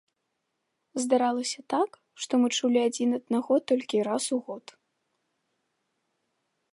Здаралася так, што мы чулі адзін аднаго толькі раз у год.